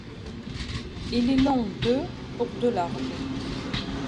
Il est long de pour de large.